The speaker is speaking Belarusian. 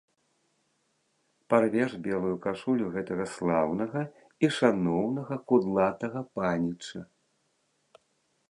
Парвеш белую кашулю гэтага слаўнага і шаноўнага кудлатага паніча!